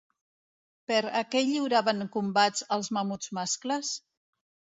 Per a què lliuraven combats els mamuts mascles?